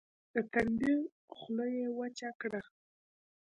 د تندي خوله يې وچه کړه.